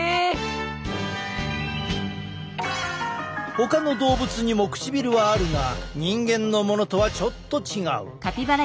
ほかの動物にも唇はあるが人間のものとはちょっと違う。